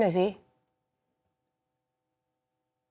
ไม่เคยได้มาพูดคุยถามอาการของลูกหนู